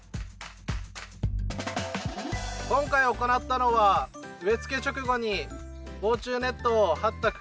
今回行ったのは植えつけ直後に防虫ネットを張った区画と。